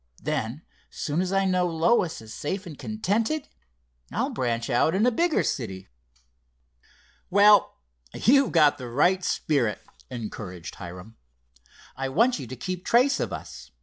Then, soon as I know Lois is safe and contented, I'll branch out in a bigger city." "Well, you've got the right spirit," encouraged Hiram. "I want you to keep trace of us.